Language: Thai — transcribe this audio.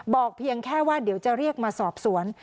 เพียงแค่ว่าเดี๋ยวจะเรียกมาสอบสวน